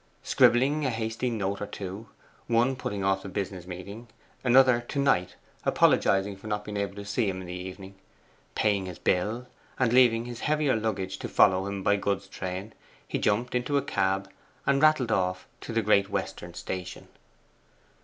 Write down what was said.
Scribbling a hasty note or two one putting off the business meeting, another to Knight apologizing for not being able to see him in the evening paying his bill, and leaving his heavier luggage to follow him by goods train, he jumped into a cab and rattled off to the Great Western Station.